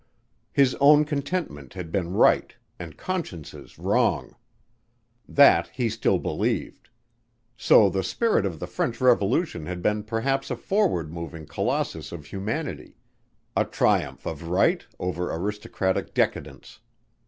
His own contention had been right and Conscience's wrong. That he still believed. So the spirit of the French Revolution had been perhaps a forward moving colossus of humanity: a triumph of right over aristocratic decadence.